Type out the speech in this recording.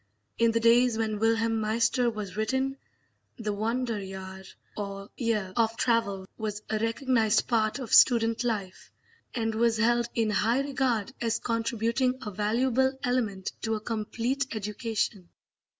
In the days when Wilhelm Meister was written, the Wanderjahr or year of travel was a recognised part of student life, and was held in high regard as contributing a valuable element to a complete education.